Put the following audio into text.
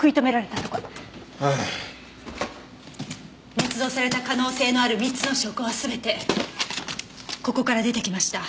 捏造された可能性のある３つの証拠は全てここから出てきました。